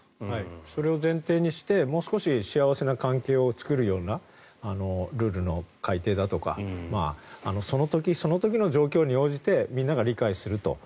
それを前提にしてもう少し幸せな関係を作るようなルールの改定だとかその時その時の状況に応じてみんなが理解すると。